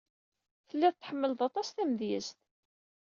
Telliḍ tḥemmleḍ aṭas tamedyazt.